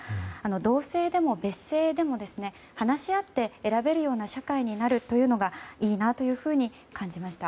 同姓でも別姓でも話し合って選べるような社会になるのがいいなと感じました。